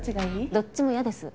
どっちも嫌です。